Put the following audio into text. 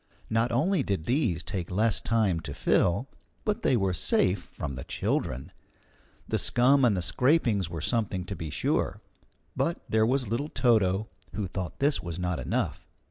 Not only did these take less time to fill, but they were safe from the children. The scum and the scrapings were something, to be sure. But there was little Toto, who thought this was not enough.